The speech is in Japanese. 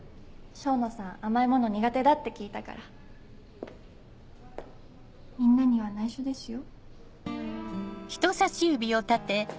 笙野さん甘いもの苦手だって聞いたからみんなには内緒ですよ？